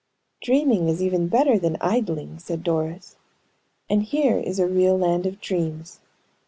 "Dreaming is even better than idling," said Doris. "And here is a real land of dreams.